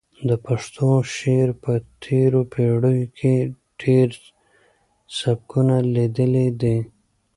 د پښتو شعر په تېرو پېړیو کې ډېر سبکونه لیدلي دي.